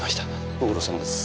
ご苦労さまです。